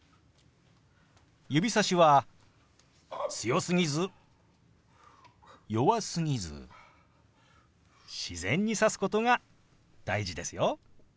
指さしは強すぎず弱すぎず自然に指すことが大事ですよ。